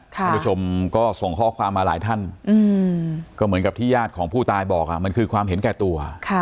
คุณผู้ชมก็ส่งข้อความมาหลายท่านก็เหมือนกับที่ญาติของผู้ตายบอกมันคือความเห็นแก่ตัว